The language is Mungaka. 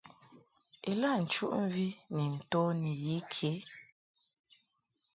Ilaʼ nchuʼmvi ni nto ni yi ke.